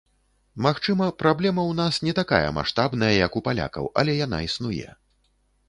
Магчыма, праблема ў нас не такая маштабная, як у палякаў, але яна існуе.